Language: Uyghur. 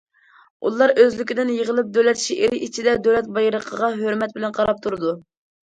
ئۇلار ئۆزلۈكىدىن يىغىلىپ، دۆلەت شېئىرى ئىچىدە دۆلەت بايرىقىغا ھۆرمەت بىلەن قاراپ تۇرىدۇ.